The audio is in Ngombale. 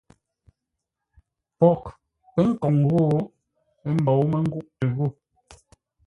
Poghʼ pə̌ nkǒŋ ghô, ə́ mbǒu mə́ ngûʼtə ghô.